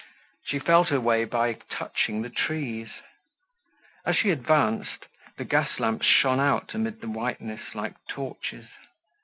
She felt her way by touching the trees. As she advanced the gas lamps shone out amidst the whiteness like torches.